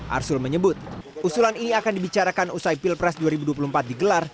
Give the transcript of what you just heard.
arsul menyebut usulan ini akan dibicarakan usai pilpres dua ribu dua puluh empat digelar